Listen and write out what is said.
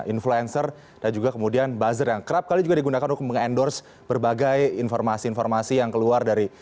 influencer dan juga kemudian buzzer yang kerap kali juga digunakan untuk mengendorse berbagai informasi informasi yang keluar dari